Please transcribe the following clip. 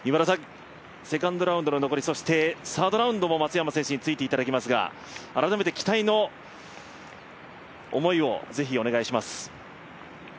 セカンドラウンドの残りそしてサードラウンドも松山選手についていただきますが、改めて期待の思いをぜひお願いします。